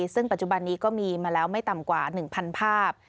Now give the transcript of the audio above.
ซึ่งปัจจุบันนี้ก็มีมาแล้วไม่ต่ำกว่า๑๐๐ภาพ